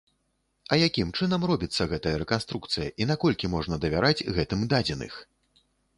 А якім чынам робіцца гэтая рэканструкцыя і наколькі можна давяраць гэтым дадзеных?